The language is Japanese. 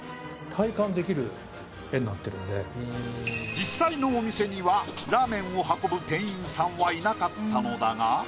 実際のお店にはラーメンを運ぶ店員さんはいなかったのだが。